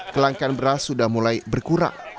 kelangkaan beras sudah mulai berkurang